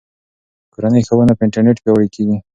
کورنۍ ښوونه په انټرنیټ پیاوړې کیږي.